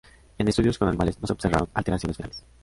En estudios con animales no se observaron alteraciones fetales.